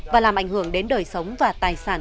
và làm ảnh hưởng đến đời sống và tài sản